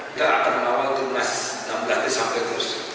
kita akan mengawal timnas u enam belas sampai terus